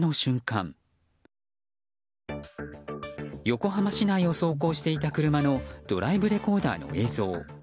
横浜市内を走行していた車のドライブレコーダーの映像。